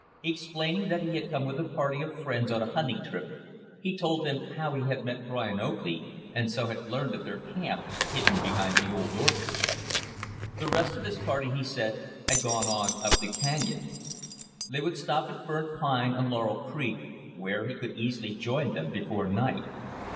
Explaining that he had come with a party of friends on a hunting trip, he told them how he had met Brian Oakley, and so had learned of their camp hidden behind the old orchard. The rest of his party, he said, had gone on up the canyon. They would stop at Burnt Pine on Laurel Creek, where he could easily join them before night.